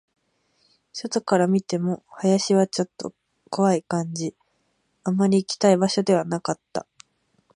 外から見ても、林はちょっと怖い感じ、あまり行きたい場所ではなかった